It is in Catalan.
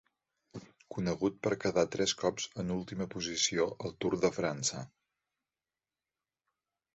Conegut per quedar tres cops en última posició al Tour de França.